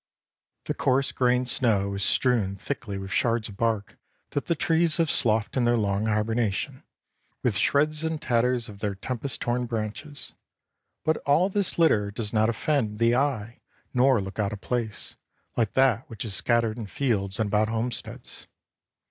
The coarse grained snow is strewn thickly with shards of bark that the trees have sloughed in their long hibernation, with shreds and tatters of their tempest torn branches. But all this litter does not offend the eye nor look out of place, like that which is scattered in fields and about homesteads.